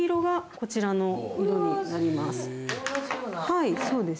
はいそうです。